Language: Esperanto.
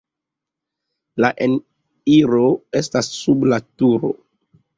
La enirejo estas sub la turo.